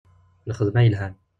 Lxedma yelhan.